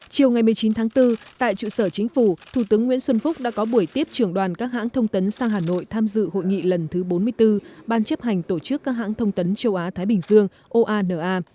chiều ngày một mươi chín tháng bốn tại trụ sở chính phủ thủ tướng nguyễn xuân phúc đã có buổi tiếp trưởng đoàn các hãng thông tấn sang hà nội tham dự hội nghị lần thứ bốn mươi bốn ban chấp hành tổ chức các hãng thông tấn châu á thái bình dương oana